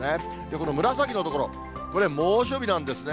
この紫の所、これ猛暑日なんですね。